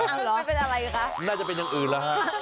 ออกมาแล้ว